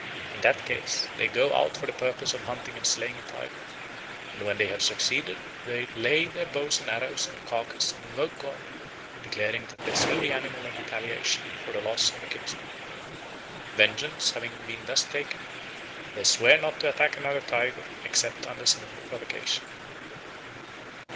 In that case they go out for the purpose of hunting and slaying a tiger; and when they have succeeded they lay their bows and arrows on the carcase and invoke God, declaring that they slew the animal in retaliation for the loss of a kinsman. Vengeance having been thus taken, they swear not to attack another tiger except under similar provocation.